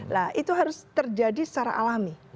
nah itu harus terjadi secara alami